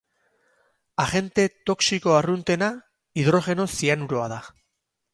Agente toxiko arruntena hidrogeno zianuroa da.